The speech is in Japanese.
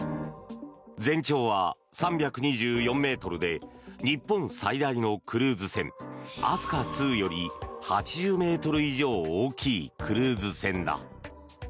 全長は３２４ｍで日本最大のクルーズ船「飛鳥２」より８０ｍ以上大きいクルーズ船だ。